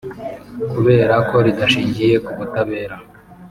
kubera ko ridashingiye ku butabera